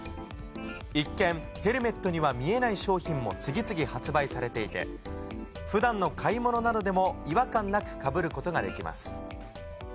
一見、ヘルメットには見えない商品も次々発売されていて、ふだんの買い物などでも違和感なくかぶることができます。